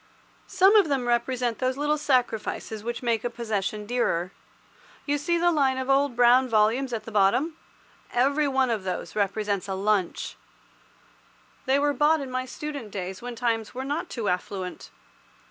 Some of them represent those little sacrifices which make a possession dearer. You see the line of old, brown volumes at the bottom? Every one of those represents a lunch. They were bought in my student days, when times were not too affluent.